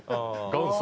元祖。